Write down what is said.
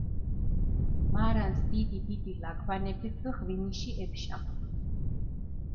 მარანს დიდი-დიდი ლაგვანეფი რდჷ ღვინიში ეფშა.